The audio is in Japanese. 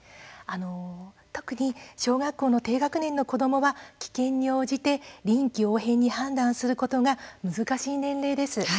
特に小学校低学年の子どもは危険に応じて臨機応変に判断することが難しい年齢です。